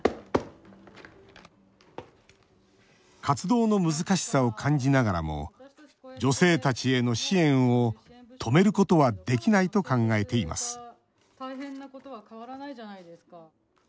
活動の難しさを感じながらも女性たちへの支援を止めることはできないと考えています